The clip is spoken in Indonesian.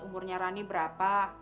umurnya rani berapa